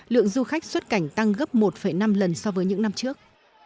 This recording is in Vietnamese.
lượng du khách xuất cảnh tăng gấp một năm lần so với những năm trước